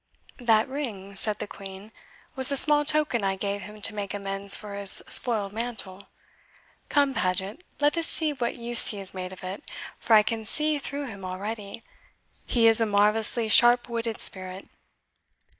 "That ring," said the Queen, "was a small token I gave him to make amends for his spoiled mantle. Come, Paget, let us see what use he has made of it, for I can see through him already. He is a marvellously sharp witted spirit."